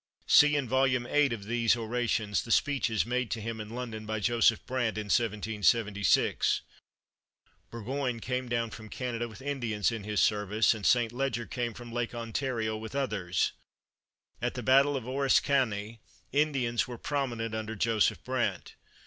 See in volume eight of these orations the speeches made to him in London by Joseph Brant in 1776. 2 Eurgoyne came down from Canada with Indians in his service, and St. Leger came from Lake Ontario with others. At the battle of Oriskany Indians were prominent under Joseph Brant.